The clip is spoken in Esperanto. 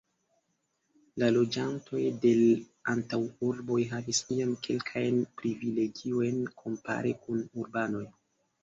La loĝantoj de l' antaŭurboj havis iam kelkajn privilegiojn kompare kun urbanoj.